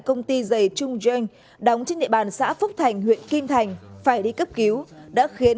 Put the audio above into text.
công ty dày trung jeng đóng trên địa bàn xã phúc thành huyện kim thành phải đi cấp cứu đã khiến